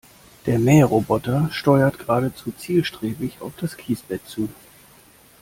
Der Mähroboter steuert geradezu zielstrebig auf das Kiesbett zu.